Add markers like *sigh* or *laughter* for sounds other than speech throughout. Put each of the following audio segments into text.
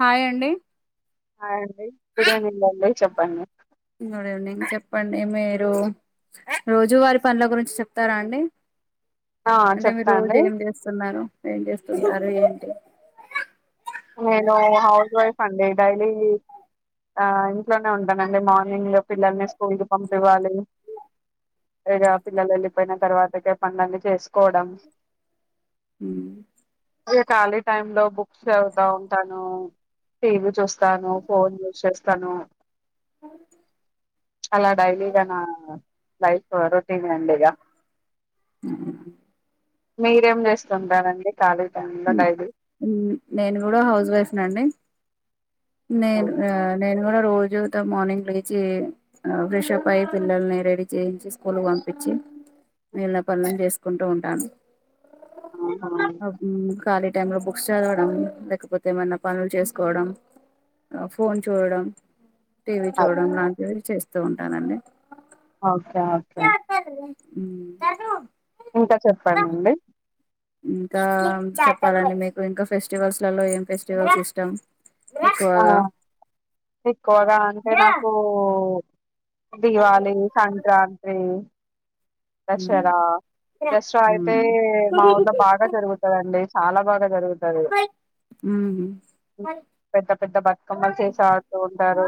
Hi అండి hi అండి good evening అండి చెప్పండి గుడ్ ఈవెనింగ్ చెప్పండి మీరు రోజువారి పనులు గురించి చెప్తారా అండి ఆ అంటే మీరు చెప్తా రోజు అండి ఏం చేస్తున్నారు ఏం చేస్తున్నారు ఏం అంట నేను హౌస్ వైఫ్ అండి డైలీ ఆ ఇంట్లోనే ఉంటానండి మార్నింగ్ లో పిల్లల్ని స్కూల్ కి పంపివ్వాలి లేదా పిల్లలు వెళ్ళిపోయిన తర్వాతకే పనులన్నీ చేసుకోవడం మ్మ్. ఇ ఖాళీ టైమ్ లో బుక్స్ ఆ ఉంటాను టీవీ చూస్తాను ఫోన్ యూస్ చేస్తాను అ అలా డైలీగా నా లైఫ్ రొటీన్ అండిగ అ మీరేం చేేస్తుంటరండి కాలీ టైం లొ డైలీ కూడ హౌస్ వైఫ్ నండి నేను హ్మ్. ఆ నేను మనం రోజుతో మార్నింగ్ లేచి ఫ్రెష్ప్ అయి పిల్లల్ని రెడీ చేయించి స్కూల్కి పంపించి మేలిన పనులను చేసుకుంటూ ఉంటాను ఆహా ఆ, మ్, ఖాళీ టైంలో బుక్స్ చదవడం లేకపోతే ఏమన్నా పనులు చేసుకోవడం ఫోన్ చూడడం టీవీ అ చూడడం లాంటివి చేస్తా ఉంటానండి ఓకే ఓకే ఊ ఇంకా చెప్పండండి ఇంకా చెప్పాలండి మీకు ఇంకా ఫెస్టివల్స్ లలో ఏం ఫెస్టివల్స్ ఇష్టాం ఆ ఎక్కువగా ఎక్కువగా అంటే నాకు ఓ దివాళి, సంక్రాంతి దసరా దసరా అయితే మా ఊర్లో బాగా జరుగుతదండి. చాలా బాగా జరుగుతది. పెద్ద పెద్ద బతుకమ్మలు చేసి ఆడుతూ ఉంటారు.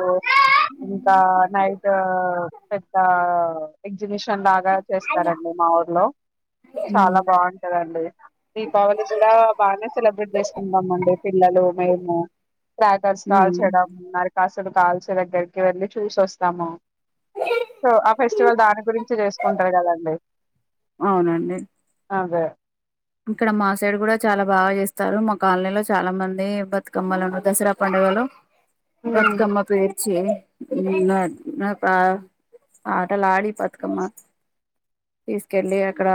ఇంకా నైట్ పెద్ద ఆ ఎగ్జిబిషన్ లాగ చేస్తారండి మా ఊర్లో చాలా బాగుంటదండి. దీపావళి కూడా బాగనే సెలబ్రేట్ చేసుకుంటామండి పిల్లలు, మేము క్రాకర్స్ కాల్చడము నర అసలు కాల్చే దగ్గరికి వెళ్ళి చూసొస్తాము సో ఆ ఫెస్టివల్ దాని గురించి చేసుకో కొంటరు కదండి అవునండి అదే ఇక్కడ మా సైడ్ కూడా చాలా బాగా చేస్తారు మా కాలనీలో చాలా మంది బతుకమ్మలను దసరా పండుగలో హ్మ్. బతుకమ్మ పేర్చి ఆటలు ఆడి బతుకమ్మ తీసుకెల్లి అక్కడ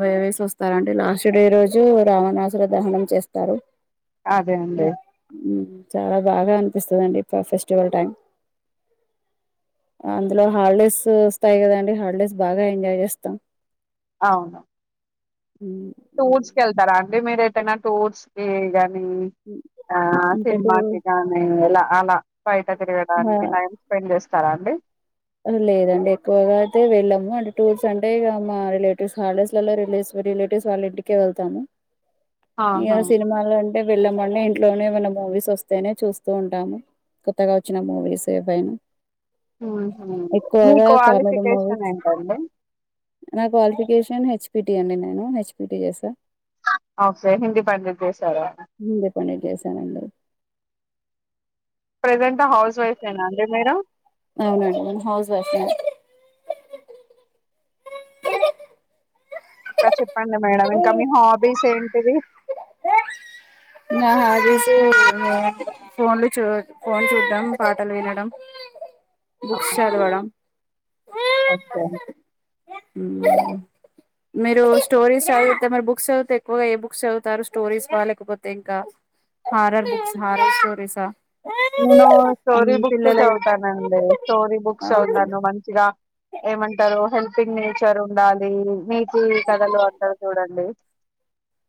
వ వేసి వస్తారండి లాస్ట్ డే రోజు రావణాసుర దహనం చేస్తారు అదే అండి చాలా బాగా అనిపిస్తదండి ఫ ఫెస్టివల్ టైం. అందులో హాల్డేస్ వస్తాయి కదండి హాల్డేస్ బాగా ఎంజాయ్ చేస్తాం. అవును టూర్స్ కెళ్తార అం అంటే మీరు ఎటైన టూర్స్ కి గానీ ఉ ఆ ఇంతకు సినిమాకిగానీ ఎలా అల బయటకి ఆ తిరగడానికి టైమ్ స్పెండ్ చేస్ స్తారా అండి లేదండి ఎక్కువగా అయితే వెళ్ళము. అంటే టూర్స్ అంటే ఇగ మా రిలేటివ్స్ హాల్ డేస్ లలో రిలేస్ రిలేటివ్స్ వాళ్ళ ఇంటికే వెళ్తాము. ఆహా ఏం సినిమాలో అం వెళ్ళమండి ఇంట్లోనే ఏమైనా మూవీస్ వస్తేనే చూస్తూ ఉంటాము కొత్తగా వచ్చిన మూవీస్ ఏవైనా ఉహు మీ ఎక్కువగా కామెడీ క్వాలిఫికేషన్ మూవీస్ ఏంటండి నా క్వాలిఫికేషన్ హెచ్ పిటి అండి నేను హెచ్పిటి చేసా ఓకే హిందీ పండిట్ చే హిందీ పండిట్ చేశానండి ప్రజెంట్ హౌస్ వైఫె్ న అండి మీరు అవునండి నేను హౌస్ వైఫ్ నే ఇంక చెప్పండి మేడం ఇంక మీ హాబీస్ ఏంటివి నా హాబీస్ ఫోన్లు చూ ఫోన్ చూడం పాటలు వినడం బుక్స్ ఆహా! చదవడం ఓకే మీరు స్టోరీస్ చదివితే మరి బుక్స్ చదివితే ఎక్కువగా ఏ బుక్స్ చదువుతారు స్టోరీస్ వ లేకపోతే ఇంక హారర్ బుక్స్ హారర్ స్టోరీసా నేను స్టోరీ మ్మ్ బుక్స్ పిల్లలై చదువుతానండి స్టోరీ బుక్స్ అవునా చవుతాను మంచిగ ఏమంటారు హెల్పింగ్ నేచర్ ఉండాలి నీ తి కథలు అంటరు చూడండి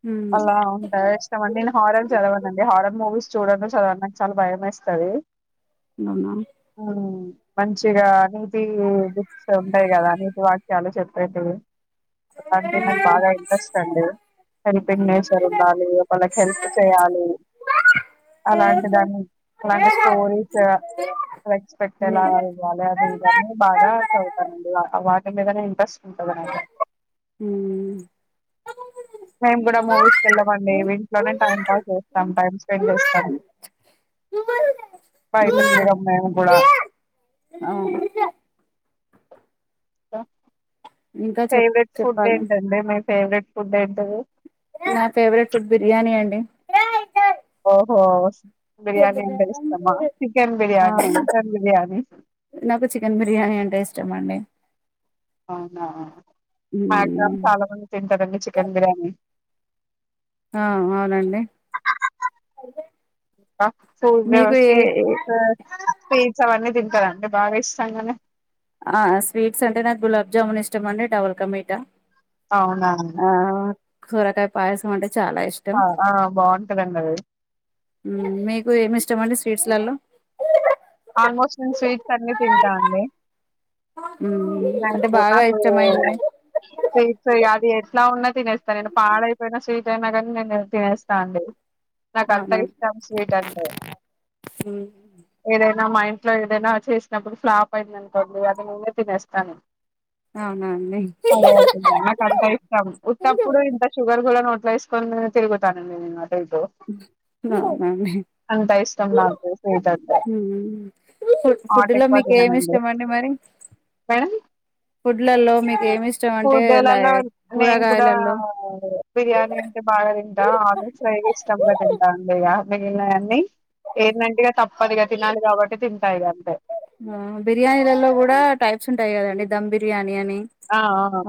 మ్మ్ అలా ఉంటే ఇష్టమండి నేను హారర్ చదవనండి హారర్ మూవీస్ చూడను చదవను నాకు చాలా భయం ఎస్ స్తది అవునా అ మంచిగా నీతి బుక్స్ ఉంటాయి కదా నీతి వాక్యాలు చెప్పేటివి అంటే నాకు బాగా ఇంట్రెస్ట్ అండి హెల్పింగ్ నేచర్ ఉండాలి ఒకలికి వాళ్ళకి హెల్ప్ చేయాలి అలాంటి దాన్ని అలాంటి స్టోరీస్ రెస్పెక్ట్ ఎలా మ్మ్ ఇవ్వాలి అవి ఇవి అని బాగా చదువుతానండి వాటి మీదనే ఇంట్రస్ట్ ఇంత మ్మ్ మేము కూడా మూవీస్కి వెళ్ళమండి ఇంట్లోలోనే టైం పాస్ చేస్తాం టైమ్ స్పెండ్ చేస్తాం బయట తిరగం మేము కూడా అవును ఇంక ఇంకా చెప్ ఫేవరెట్ ఫుడ్ చెప్పాలి ఏంటండి మేకు ఫేవరెట్ ఫుడ్ ఏంటిది నా ఫేవరెట్ ఫుడ్ బిర్యానీ అండి ఓహో స్ బిర్యానీ అవునా మటన్ బిర్యానీ నాకు చికెన్ బిర్యానీ అంటే ఇష్టమండి. అవునా మ్యాక్సిమమ్ చాలా మంది తింటారండి చికెన్ బిర్యానీ ఆ అవునండి సూ మీకు వ్యవస్ ఏ స్ సవా తింటారండి బాగా ఇష్టంగానే ఆ స్వీట్స్ అంటే నాకు గులాబ్ జామున్ ఇష్టం అండి డబుల్ కమటా అవునా సొరకాయ పాయసం చాలా ఇష్టం ఆ ఆ, బాగుంటదండి అది మీకు ఏమి ఇష్టం అండి స్వీట్స్ లలో ఆల్మోస్ట్ నేన్ స్వీట్ తన్ని తింటా అండి అంటే నాకు బాగా నాకు ఇష్టమైంది చేచ్చ ఇగ అది అదె ట్లా ఉన్నా తినేస్తాను నేను పాడయిపోయిన స్వీట్ అయినా కానీ నేను తినేస్తా అండి నాక అంతా అవునా ఇష్టం స్వీట్ అంటే ఏదై నా మా ఇంట్లో ఏదైనా చేసినప్పుడు ఫ్లాప్ అయింది అనుకోండి అది నేనే తినేస్ స్తను అవునా అండి పడేయకుండా నాకు అంత ఇష్టం ఉత్తప్పుడు ఇంత షుగర్ కూడా నో ట్లో వేసుకొని తిరుగుతానండి నేను అటు ఇటు అవునండి అంత ఇష్టం నాకు స్వీట్ అంటే ఫు హాట్ ఫుడ్లో ఎక్కువ మీకు ఏమి తిననండి ఇష్టమండి మరి మేడం ఫుడ్లలో మీకు ఏమి ఇష్టం అంటే లై ఫుడ్లలో నేను కూడా కూరగాయలలో బిర్యానీ అంటే బాగా తింటాను ఆమోట్ ఇష్టంంగా తింటా అండి మిగిలినయాన్ని ఏంటంటేగా తప్పదిగా తినాలి కాబట్టి తింటాయి అంతే బిర్యానీలలో కూడా టైప్స్ ఉంటాయి కదండి దమ్ బిర్యానీ అని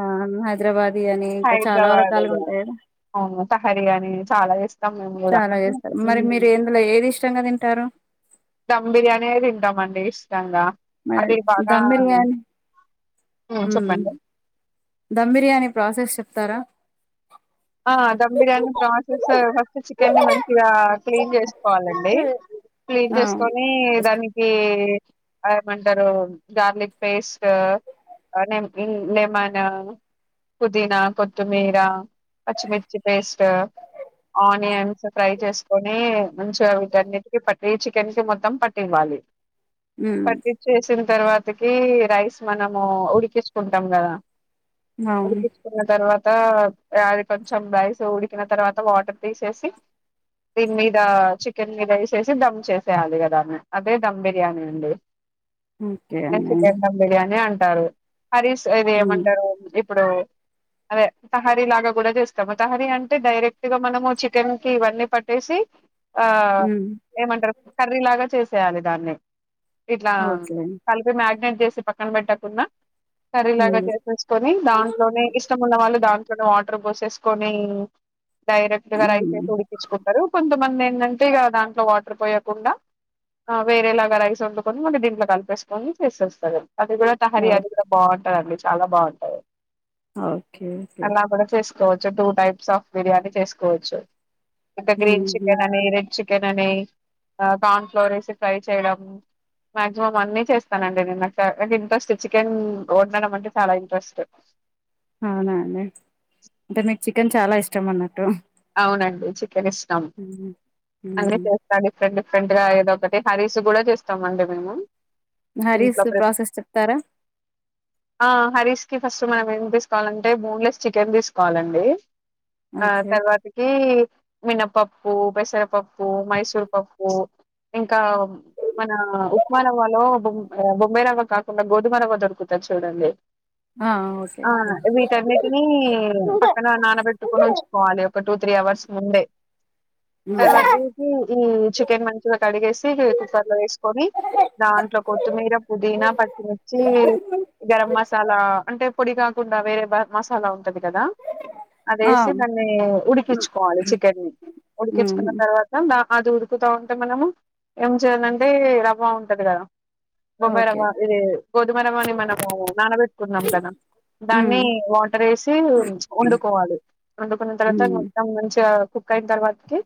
ఆ హైదరాబాద్ అని ఇంకా చాలా హైదరాబాద్ రకాలుగా ఇగ ఉంటాయి అవును తహరి అని చాలా చేస్తాం మేము కూడా చాలా అంటే చేస్తారు మరి మ్, మీరు ఎందులో ఏది ఇష్టంగా తింటారు మ్ బిర్యానీ తింటాం అండి ఇష్టంగా మ అది బాగా దమ్ బిర్యానీ మ్, చెప్పండి దధమ్ బిర్యానీ ప్రాసెస్ చెప్తారా ఆ ధమ్ బిర్యానీ ప్రాసెస్ ఫస్ట్ చికెన్ని ని మంచిగా క్లీన్ చేసుకోవాలండి క్లీన్ ఆ చేసుకొని దానికి ఏమంటారు గార్లిక్ పేస్ట్ లెమన్ పుదీనా కొత్తిమీర పచ్చిమిర్చి పేస్ట్ ఆనియన్స్ ఫ్రై చేసుకొని మంచిగా వీటన్నిటికి పట్టి చికెన్ కి మొత్తం పట్టివ్వాలి మ్మ్ పట్టిసింది తర్వాతకి రైస్ మనము ఉడికించుకుంటాం కదా అవును ఉడికిించుకున్న తర్వాత ఆ కొంచెం రైస్ ఉడికిన తర్వాత వాటర్ తీసేసి దీని మీద చికెన్ మీద వేసేసి దమ్ చేసేయాలి కదామె అదే దమ్ బిర్యానీ అండి ఓకే న అండి ఎ బిర్యానీ అంట సారు హరీస్ ఇది మ్మ్ ఏమంటారు ఇప్పుడు అదే సహారీలాగా కూడా చేస్తాము తహారీ అంటే డైరెక్ట్ గా మనము చికెన్ కి ఇవన్నీ పట్టేసి ఆ మ్మ్ ఏమంటారు కర్రీ లాగా చేసి ాలిదాన్నే ఇట్లా ఓకే కల్ మ్యాగ్నెట్ చేసి పక్కన పెట్టకుంన్నా కర్రీలాగా మ్మ్ చేసేసుకొని దాంట్లోనే ఇష్టము ఉన్న వాళ్ళు దాంట్లోనే వాట టర్ పోసేసుకొని డైరెక్ట్ గా రైస్ వేసి మ్మ్ ఉడికించుకుంటారు కొంచెం కొంతమంది ఏంటంటే ఇక దాంట్లో వాటర్ పోయకుండా వేరేలాగా రైస్ వండుకొని మళ్ళీ దీంట్లో కలిపేసుకొని చేసేస్తారు అది కూడా తహారీ అది కూడా బాగుంటది అండి చాలా బాగుంటాయి ఓకే ఓకే చేసుకోవచ్చు టూ టైప్స్ ఆఫ్ బిర్యానీ చేసుకోవచ్చు ఇంకా గ్రీన్ ఉహు. చికెన్ అని రెడ్ చికె చికెన్ అని కార్న్ ఫ్లోర్ వేసి ఫ్రై చేయడం మాక్సిమం అన్ని చేస్తానండి నేను నాకు చ నా ఇంట్రెస్ట్ చికెన్ వండడం అంటే చాలా ఇంట్రెస్ట్ అవునా అండి అంటే మీకు చికెన్ చాలా ఇష్టం అన్నట్టు అవునండి చి కెన్ ఇష్టం ఉహు, అన్ని ఉహు. చేస్తా డిఫరెంట్ డిఫరెంట్ డిఫరెంట్ గా ఏదొ ఒకటి హరీస్ కూడా చేస్తామ అండి మేము హరీస్ ఇంట్లో ప్ర ప్రాసెస్ చెప్తారా ఆ హరీస్ కి ఫస్ట్ మనం ఏం తీసుకోవాలింటే బోన్లెస్ చికెన్ తీసుకోవాలండి ఆ ఓకే తర్వాత ఈ మినపప్పు పెసరపప్పు మైసూర్ పప్పు ఇంకా మన ఉప్మా రవ్వలో బొంబాయి రవ్వ కాకుండా గోధుమ ర్వ దొరుకుతాది చూడండి ఆ, ఓకే ఆ ఓకే వీటన్నిటిని పక్కన నానబెట్టుకొని ఉంచుకోవాలి టూ త్రీ అవర్స్ ముందే ఉమ్. తర్వాత ఈ చికెన్ మంచిగా కడిగేసి కుక్కర్ లో వేసుకొని దాంట్లో కొత్తిమీర పుదీనా పచ్చిమిర్చి గరం మసాలా అంటే పొడి కాకుండా వేరే మసాలా ఉ టది కదా ఆ, అదేసి దాన్ని ఉమ్, ఉడికించుకోవాలి చికెన్ ని ఉడికించుకున్న ఉమ్, తర్వాత అది ఉడుకుతా ఉంటే మనము ఏం చేయాలంటే రవ్వ ఉంటది కదా బొంబాయి ఓకే రవ్వ ఇది గోధుమ రవ్వ అని మనము నానబెట్టుకున్నాం కదా ఉమ్, దాన్ని వాటర్ వేసి వండుకోవాలి వండుకున్న తర్వాత ఒకసారి ఉమ్, మొత్తాం మంచిగా కుక్ అయిన తర్వాతకి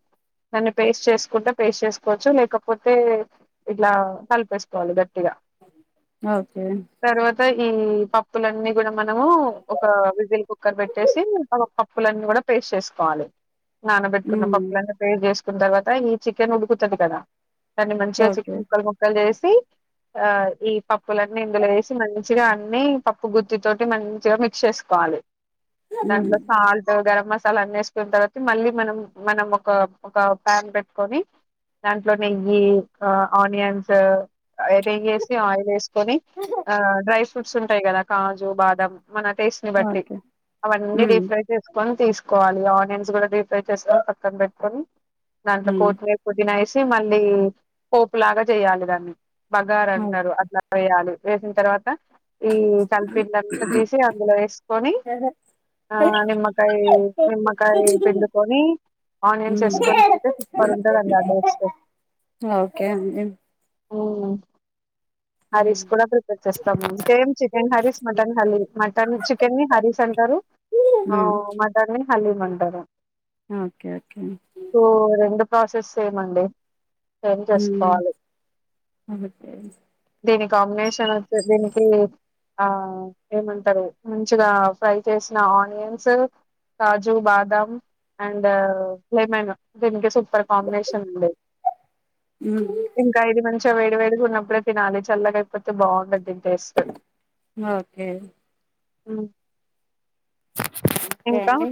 దాన్ని పేస్ట్ చేసుకుంటే పేస్ట్ చేసుకోవచ్చు లేకపోతే ఇట్లా కలిపేసుకోవాలి గట్టి ఓకే తర్వాత ఈ పప్పులన్నీ కూడా మనము ఒక విజిల్ కుక్కర్ పెట్టేసి పప్పులన్నీ కూడా పేస్ట్ చేసు కోవాలి నానబెట్టుకున్న ఉమ్, పప్పులన్ని పేస్ట్ చేసు కున్న తర్వాత ఈ చికెన్ ఉడుకుతది కదా దాన్ని మంచిగా ఓకే చికెన్ ముక్కలు ముక్కలు చేసి పే ఆ ఈ పప్పులన్నీ ఇందులో వేసి మంచిగా అన్ని పప్పు గుత్ది తోటి మంచిగా మిక్స్ చేసుకోవాలి. ఉమ్, దాంట్లో సాల్ట్ గరం మసాలా చలా అ తర్వాత మళ్ళీ మనం మనం ఒక ఒక ప్యాన్ పెట్టుకొని దాంట్లో నెయ్యి ఆనియన్స్ చేేసి ఆయిల్ వేసుకొని ఆ డ్రై ఫ్రూట్స్ ఉంటాయి కదా కాజు బాదం మన టేస్ట్ ని బట్టి ఓకే అవన్నీ ఉమ్, డీప్ ఫ్రై చేసుకొని తీసుకు కోవాలి న్స్ కూడా డీ ఫ్రై చేస్కొని పక్కన పెట్టుకొని దాంట్లో ఉమ్, కోటమెరా పుదినా వేసే మళ్ళీ పోపులాగా చేయాలి దాన్ని బగార ఓ- అంటారు అట్లా చేయాలి వేసిన తర్వాత ఈ కలిపిడ్లంతా తీసి అందులో వేసుకొని ఆ నిమ్మకాయ నిమ్మకా పిండుకొని ఆనియన్స్ ఉమ్. వేసుకొని తింటె సపర్ ఉంటందండి ఆ టేస్ట్ ఓకే అండి అవును హలీం ఉమ్. కూడా ప్రిపేర్ చేస్తాం సేమ్ చికెన్ హలీం మటన్ హలీ మటన్ చికెన్ ని హరీస్ అంటారు ఉమ్, మటన్ని ని హలీ అంటారు ఓకే ఓకే ఓ రెండు ప్రాసెస్ సేమ్ అండి *inaudible* ఉమ్, సంసుకోవాలి ఓకే దీనికి కాంబినేషన్ వచ్చి దీనికి ఆ ఏమంటరూ మంచిగా ఫ్రై చేసిన ఆనియన్స్ కాజు బా బ అండ్ లెమన్ ర్ కాంబినేషన్ ఉండంది ఉమ్, ఇంకా ఇది మని చెం వేడి వేడిగా ఉన్నప్పుడే తినాలి చల్లగా అయిపోతే బాగుండది ఓకే అ కే అండి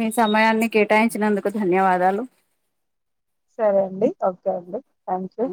మీ సమయాన్ని కేటాయించినందుకు ధన్యవాదాలు సరే అండి ఓకే అండి థ్యాంక్యూ